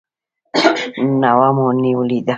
نوه مو نیولې ده.